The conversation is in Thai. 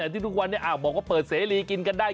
ที่ทุกวันนี้บอกว่าเปิดเสรีกินกันได้